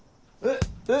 えっ？